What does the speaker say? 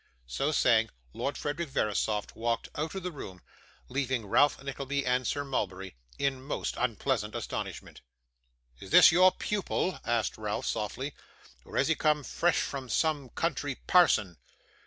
So saying, Lord Frederick Verisopht walked out of the room, leaving Ralph Nickleby and Sir Mulberry in most unpleasant astonishment. 'Is this your pupil?' asked Ralph, softly, 'or has he come fresh from some country parson?